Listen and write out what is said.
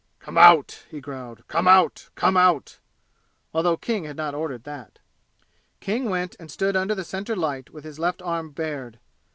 "Come out!" he growled. "Come out! Come out!" although King had not ordered that. King went and stood under the center light with his left arm bared.